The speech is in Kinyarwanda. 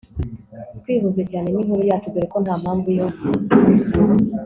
Twihuse cyane ninkuru yacu dore ko ntampamvu yo